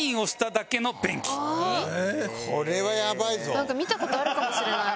なんか見た事あるかもしれない。